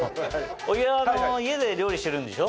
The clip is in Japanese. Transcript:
小木は家で料理してるんでしょ？